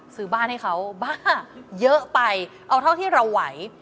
ซื้อบ้านให้เขาบ้าเยอะไปเอาเท่าที่เราไหว